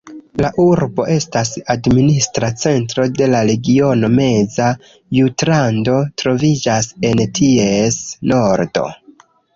La urbo estas administra centro de la Regiono Meza Jutlando, troviĝas en ties nordo.